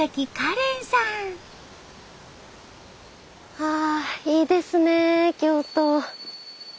あいいですね京都。